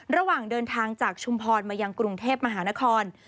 ระหว่างเดินทางจากชุมพรมายังกรุงเทพมหานคร